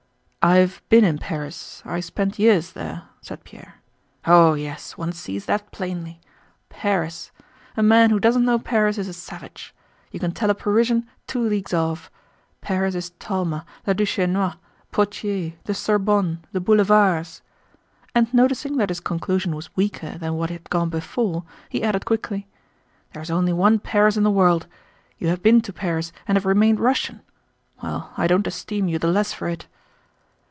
"I have been in Paris. I spent years there," said Pierre. "Oh yes, one sees that plainly. Paris!... A man who doesn't know Paris is a savage. You can tell a Parisian two leagues off. Paris is Talma, la Duchénois, Potier, the Sorbonne, the boulevards," and noticing that his conclusion was weaker than what had gone before, he added quickly: "There is only one Paris in the world. You have been to Paris and have remained Russian. Well, I don't esteem you the less for it."